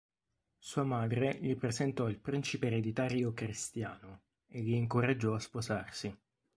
Sua madre gli presentò il principe ereditario Cristiano e li incoraggiò a sposarsi.